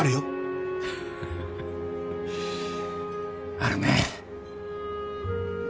あるね。